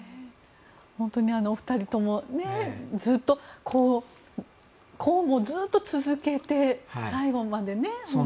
本当にお二人とも公務をずっと続けて最後までね。